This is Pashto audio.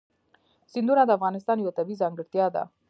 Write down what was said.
سیندونه د افغانستان یوه طبیعي ځانګړتیا ده.